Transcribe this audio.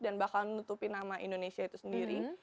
dan bakal menutupi nama indonesia itu sendiri